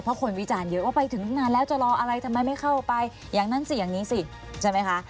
เพราะคนวิจารณ์เยอะว่าไปถึงนานแล้วจะรออะไรทำไมไม่เข้าไปอย่างนั้นสิอย่างนี้สิใช่ไหมคะ